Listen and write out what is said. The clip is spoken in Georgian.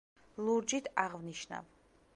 ლურჯით აღვნიშნავ.